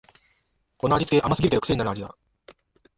この味つけ、甘すぎるけどくせになる味だ